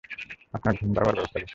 আপনার ঘুম পাড়াবার ব্যবস্থা করছি।